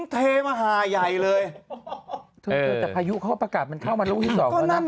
เทมาห่าใหญ่เลยเออพายุเข้าประกาศมันเข้ามาลุคที่สองนั่น